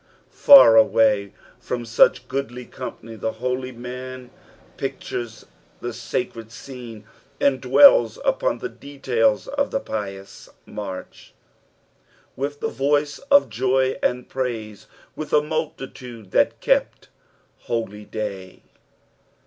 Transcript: Far away from such goodly company (he holy man pictures the sacred scene and dwells upon the details of the pious march. " With the voice oj" joy and praiee, leith a multitude that kept holyday."